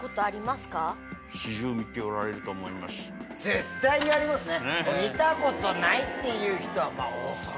絶対にありますね。